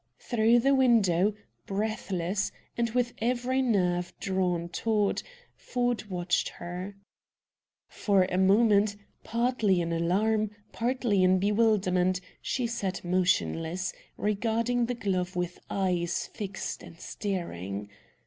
Through the window, breathless, and with every nerve drawn taut, Ford watched her. For a moment, partly in alarm, partly in bewilderment, she sat motionless, regarding the glove with eyes fixed and staring.